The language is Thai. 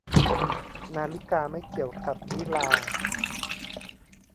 นาฬิกาไม่เกี่ยวกับวิฬาร์